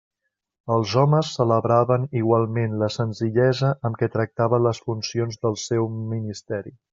Els homes celebraven igualment la senzillesa amb què tractava les funcions del seu ministeri.